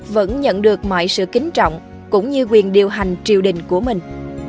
vẫn nhận được mọi sự kính trọng cũng như quyền điều hành triều đình của mình